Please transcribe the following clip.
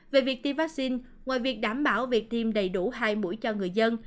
về việc tiêm vaccine ngoài việc đảm bảo việc tiêm đầy đủ hai mũi cho người dân